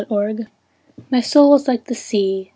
THE MOON My soul was like the sea.